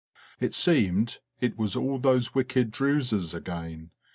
It seemed it was all those wicked Druses again!